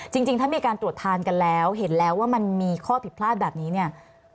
จริงถ้ามีการตรวจทานกันแล้วเห็นแล้วว่ามันมีข้อผิดพลาดแบบนี้เนี่ย